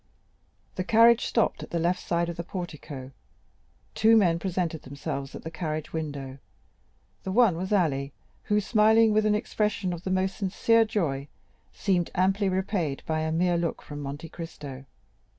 The carriage stopped at the left side of the portico, two men presented themselves at the carriage window; the one was Ali, who, smiling with an expression of the most sincere joy, seemed amply repaid by a mere look from Monte Cristo.